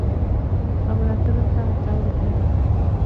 د خبرو اترو ته هڅول کیږي.